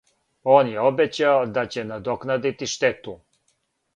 Он је обећао да ће надокнадити штету.